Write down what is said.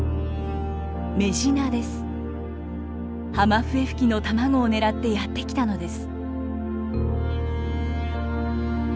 ハマフエフキの卵を狙ってやって来たのです。